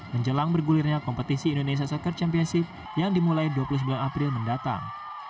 menjelang bergulirnya kompetisi indonesia soccer championship yang dimulai dua puluh sembilan april mendatang